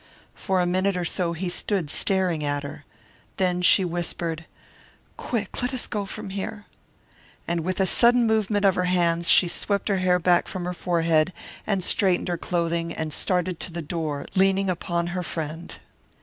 For a minute or so he stood staring at her. Then she whispered, "Quick! let us go from here!" And with a sudden movement of her hands, she swept her hair back from her forehead, and straightened her clothing, and started to the door, leaning upon her friend.